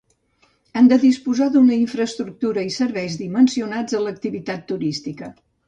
Han de disposar d'una infraestructura i serveis dimensionats a l'activitat turística.